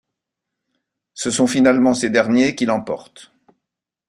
Ce sont finalement ces derniers qui l'emportent.